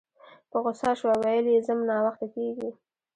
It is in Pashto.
په غوسه شوه ویل یې ځم ناوخته کیږي